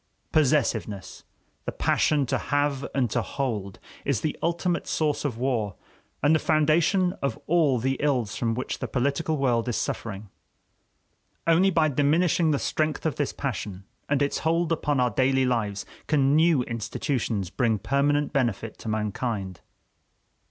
Possessiveness the passion to have and to hold is the ultimate source of war, and the foundation of all the ills from which the political world is suffering. Only by diminishing the strength of this passion and its hold upon our daily lives can new institutions bring permanent benefit to mankind.